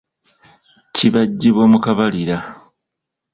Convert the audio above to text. Kibajjibwa mu kabalira.